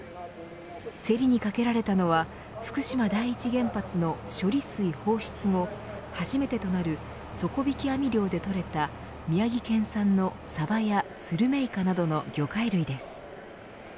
競りにかけられたのは福島第一原発の処理水放出後初めてとなる底引き網漁で採れた宮城県産のサバやスルメイカなどの魚介類です。